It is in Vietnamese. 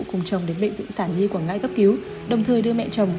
cùng chồng đến bệnh viện sản nhi quảng ngãi cấp cứu đồng thời đưa mẹ chồng